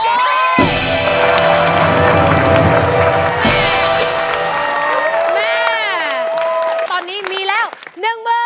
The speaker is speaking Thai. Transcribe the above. แม่ตอนนี้มีแล้ว๑มือ